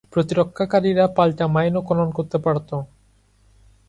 প্রতিরক্ষাকারীরা পাল্টা মাইনও খনন করতে পারত।